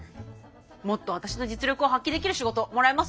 もっと私の実力を発揮できる仕事もらえます？